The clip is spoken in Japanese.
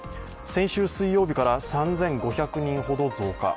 先週水曜日から３５００人ほど増加。